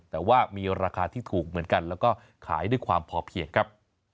แต่ว่ามีราคาที่ถูกเหมือนกันแล้วก็ขายด้วยความพอเพียงครับ